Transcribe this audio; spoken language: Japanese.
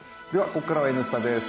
ここからは「Ｎスタ」です。